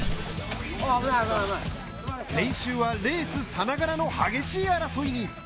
練習はレースさながらの激しい争いに。